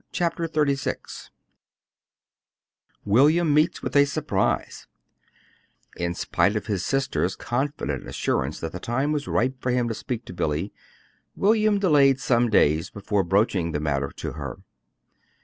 CHAPTER XXXVI WILLIAM MEETS WITH A SURPRISE In spite of his sister's confident assurance that the time was ripe for him to speak to Billy, William delayed some days before broaching the matter to her.